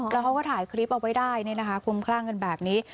แล้วเขาก็ถ่ายคลิปเอาไว้ได้คุ้มคลั่งกันแบบนี้